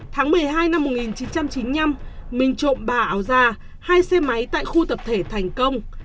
tháng một mươi hai năm một nghìn chín trăm chín mươi năm minh trộm ba áo ra hai xe máy tại khu tập thể thành công